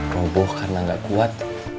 roboh karena gak kuat